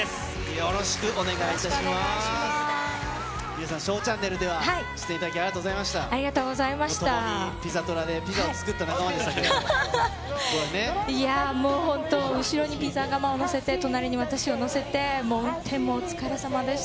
よろしくお願いします。